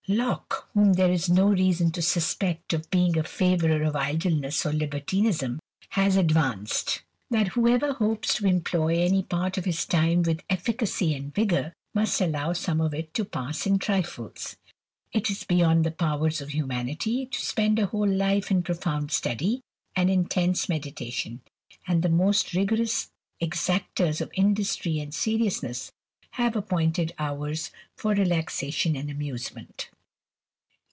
ICE, whom there is no reason to suspect of being a | vourer of idleness or libertinism, has advanced, that ' hopes to employ any part of his time with efficacy , B Jur, must allow some of it to pass in trifles. It is "^Jond the powers of humanity to spend a whole life in Profound study and intense meditation, and the moat '•gOTOus exaciers of industry and seriousness have appointed 0iir3 for relaxation and amusement.